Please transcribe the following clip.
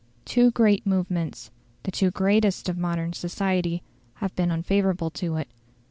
Two great movements the two greatest of modern society have been unfavourable to it.